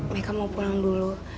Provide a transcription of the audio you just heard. mereka mau pulang dulu